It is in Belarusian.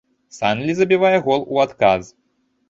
Санлі забівае гол у адказ.